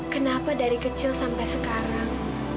kenapa dari kecil sampai sekarang